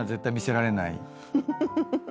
フフフフッ。